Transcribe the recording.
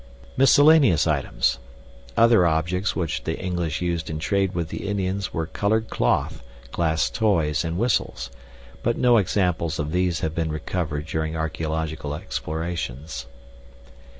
Miscellaneous Items. Other objects which the English used in trade with the Indians were colored cloth, glass toys, and whistles; but no examples of these have been recovered during archeological explorations.